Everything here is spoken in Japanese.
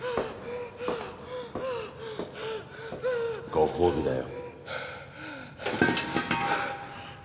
ご褒美だよ。